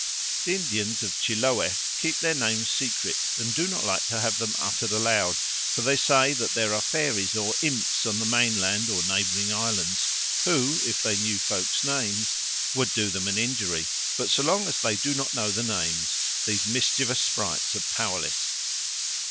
The Indians of Chiloe keep their names secret and do not like to have them uttered aloud; for they say that there are fairies or imps on the mainland or neighbouring islands who, if they knew folk's names, would do them an injury; but so long as they do not know the names, these mischievous sprites are powerless.